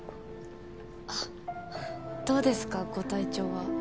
あどうですかご体調は。